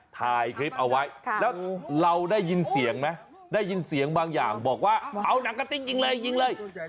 ถ่ายคลิปเอาไว้แล้วเราได้ยินเสียงไหมได้ยินเสียงบางอย่างบอกว่าเอาหนังกะติ้งยิงเลยยิงเลย